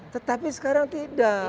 tetapi sekarang tidak